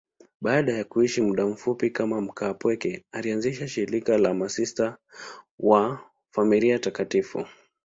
Baada ya kuishi muda mfupi kama mkaapweke, alianzisha shirika la Masista wa Familia Takatifu.